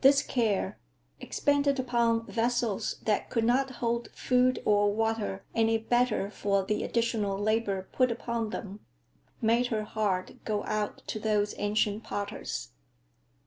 This care, expended upon vessels that could not hold food or water any better for the additional labor put upon them, made her heart go out to those ancient potters.